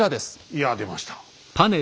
いや出ました。